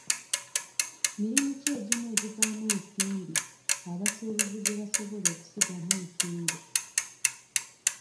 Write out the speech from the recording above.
Mirimu ki egimu egivaamu ensimbi abasuubuzi gye basobola okusigamu ensimbi.